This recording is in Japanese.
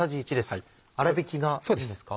粗びきがいいんですか？